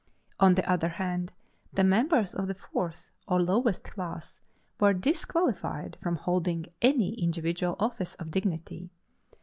On the other hand, the members of the fourth or lowest class were disqualified from holding any individual office of dignity.